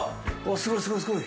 すごいすごいすごい。